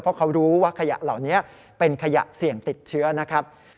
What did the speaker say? เพราะเขารู้ว่าขยะเหล่านี้เป็นขยะเสี่ยงติดเชื้อนะครับ